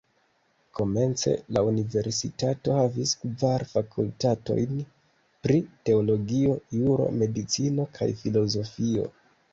Komence, la universitato havis kvar fakultatojn pri teologio, juro, medicino kaj filozofio.